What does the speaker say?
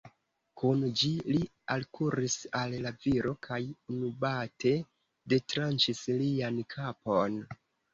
Kun ĝi li alkuris al la viro, kaj unubate detranĉis lian kapon.